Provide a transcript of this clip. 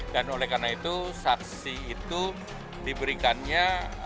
dan oleh karena itu saksi itu diberikannya